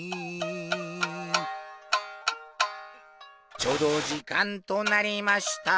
ちょうど時間となりました。